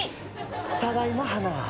ただいま花。